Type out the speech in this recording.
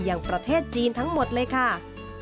อย่างประเทศจีนทั้งหมดเลยค่ะ